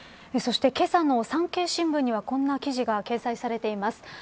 そして、けさの産経新聞にはこんな記事が掲載されています。